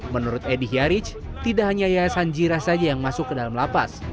menurut edi hiaric tidak hanya yayasan jirah saja yang masuk ke dalam lapas